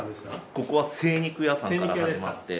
ここは精肉屋さんから始まって。